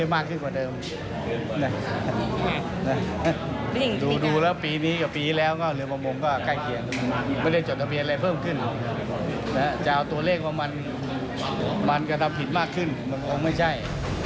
มันก็จะผิดมากขึ้นมันก็ไม่ใช่